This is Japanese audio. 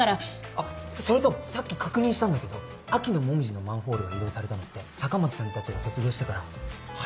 あっそれとさっき確認したんだけど秋のモミジのマンホールが移動されたのって坂巻さんたちが卒業してから８年後なんだって。